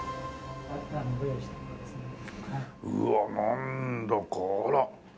うわっなんだかあら。